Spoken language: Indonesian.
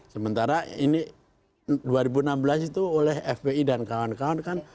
sementara ini dua ribu enam belas itu oleh fpi dan kawan kawan kan